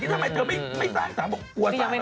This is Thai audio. ที่ทำไมเธอไม่สร้างสร้าง